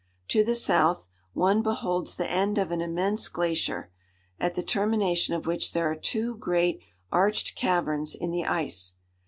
To the south, one beholds the end of an immense glacier, at the termination of which there are two great arched caverns in the ice.